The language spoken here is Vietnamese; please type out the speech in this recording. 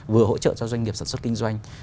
vừa hỗ trợ cho doanh nghiệp sản xuất kinh doanh